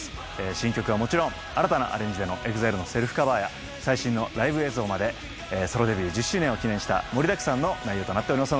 新曲はもちろん新たなアレンジでのＥＸＩＬＥのセルフカバーや最新のライブ映像までソロデビュー１０周年を記念した盛りだくさんの内容となってます